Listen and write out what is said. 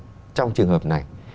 tôi cho là trong trường hợp này